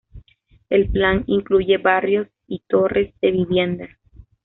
El plan incluye barrios y torres de vivienda.